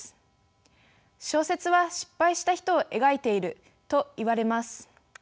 小説は失敗した人を描いているといわれます。